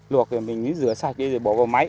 luộc rồi mình rửa sạch đi rồi bỏ vào máy